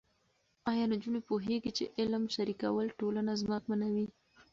ایا نجونې پوهېږي چې علم شریکول ټولنه ځواکمنوي؟